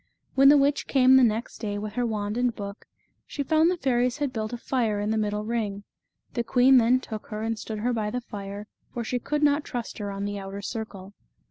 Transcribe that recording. When the witch came the next day with her wand and book, she found the fairies had built a fire in the middle ring. The queen then took her and stood her by the fire, for she could not trust her on the outer circle.